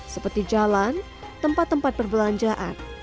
seperti jalan tempat tempat perbelanjaan